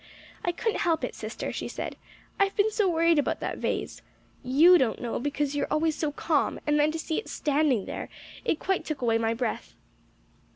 "I couldn't help it, sister," she said. "I've been so worried about that vase. You don't know, because you are always so calm; and then to see it standing there it quite took away my breath."